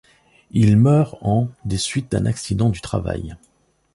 Il meurt en des suites d’un accident du travail.